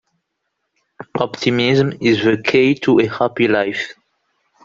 Optimism is the key to a happy life.